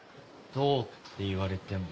どうって言われても。